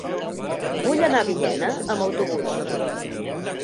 Vull anar a Villena amb autobús.